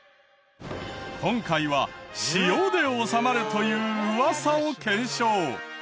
今回は塩で治まるというウワサを検証。